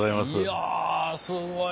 いやすごいね。